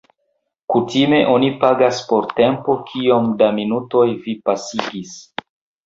Kutime oni pagas por tempo kiom da minutoj vi pasigis.